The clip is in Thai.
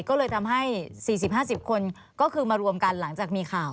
ก็เลยทำให้๔๐๕๐คนก็คือมารวมกันหลังจากมีข่าว